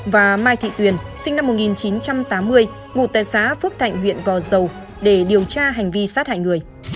và mai thị tuyền sinh năm một nghìn chín trăm tám mươi ngụ tại xã phước thạnh huyện gò dầu để điều tra hành vi sát hại người